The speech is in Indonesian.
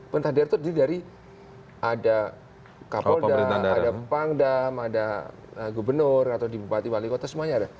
pentaher itu dari ada kapolda ada pangdam ada gubernur atau di bupati wali kota semuanya ada